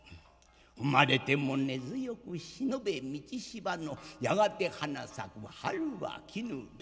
踏まれても根強く忍べ路芝のやがて花咲く春は来ぬべし』。